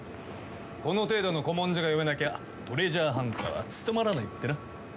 この程度の古文書が読めなきゃトレジャーハンターは務まらないってな。